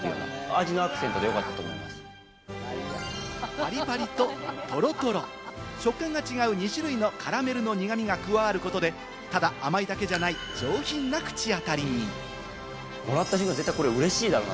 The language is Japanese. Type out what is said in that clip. パリパリとトロトロ、食感が違う２種類のカラメルの苦味が加わることで、ただ甘いだけじゃない上品な口当たりに。